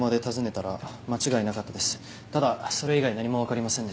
ただそれ以外何も分かりませんでした。